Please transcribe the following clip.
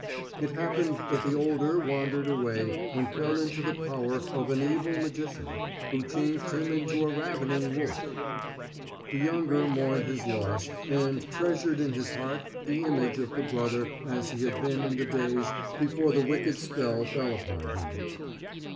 It happened that the older wandered away and fell into the power of an evil magician, who changed him into a ravening wolf. The younger mourned his loss, and treasured in his heart the image of the brother as he had been in the days before the wicked spell fell upon him.